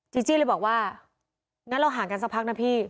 จีจี้เลยบอกว่างั้นเราห่างกันสักพักนะพี่